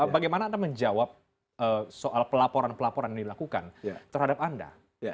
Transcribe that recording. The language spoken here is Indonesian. bagaimana anda menjawab soal pelaporan pelaporan yang dilakukan terhadap anda